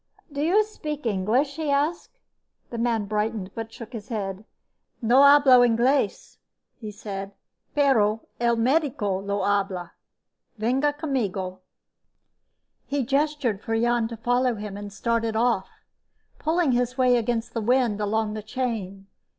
"Do you speak English?" he asked. The man brightened but shook his head. "No hablo inglés," he said, "pero el médico lo habla. Venga conmigo." He gestured for Jan to follow him and started off, pulling his way against the wind along the chain.